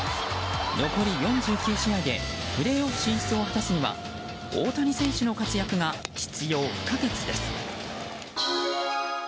残り４９試合でプレーオフ進出を果たすには大谷選手の活躍が必要不可欠です。